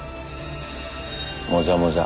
「もじゃもじゃ」